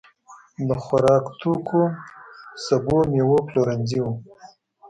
د خوراکتوکو، سبو، مېوو پلورنځي وو.